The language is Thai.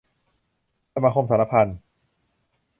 สมาคมสาระพันธ์